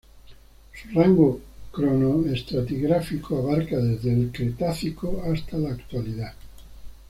Su rango cronoestratigráfico abarca desde el Cretácico hasta la Actualidad.